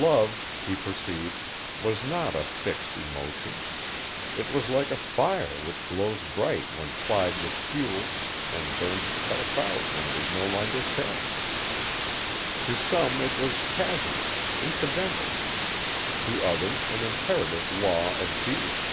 Love, he perceived, was not a fixed emotion. It was like a fire which glows bright when plied with fuel and burns itself out when it is no longer fed. To some it was casual, incidental; to others an imperative law of being.